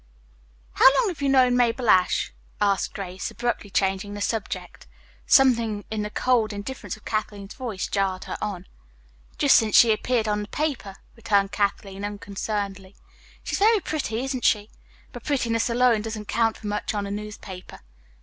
"How long have you known Mabel Ashe?" asked Grace, abruptly changing the subject. Something in the cold indifference of Kathleen's voice jarred on her. "Just since she appeared on the paper," returned Kathleen unconcernedly. "She is very pretty, isn't she? But prettiness alone doesn't count for much on a newspaper.